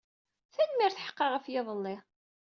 Tanemmirt ḥeqqa ɣef yiḍelli.